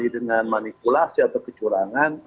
dengan manipulasi atau kecurangan